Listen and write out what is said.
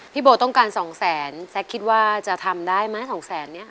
พี่โบต้องการสองแสนแซคคิดว่าจะทำได้ไหมสองแสนนี้